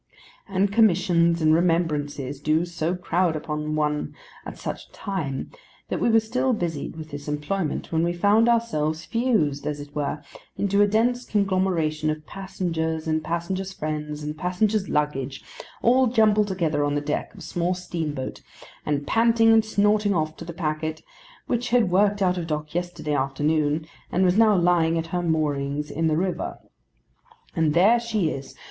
And commissions and remembrances do so crowd upon one at such a time, that we were still busied with this employment when we found ourselves fused, as it were, into a dense conglomeration of passengers and passengers' friends and passengers' luggage, all jumbled together on the deck of a small steamboat, and panting and snorting off to the packet, which had worked out of dock yesterday afternoon and was now lying at her moorings in the river. And there she is!